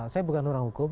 saya bukan orang hukum